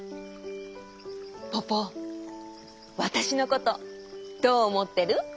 ポポわたしのことどうおもってる？